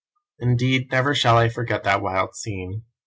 "Indeed never shall I forget that wild scene.